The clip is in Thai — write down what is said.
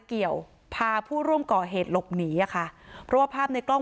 เกี่ยวพาผู้ร่วมก่อเหตุหลบหนีอ่ะค่ะเพราะว่าภาพในกล้อง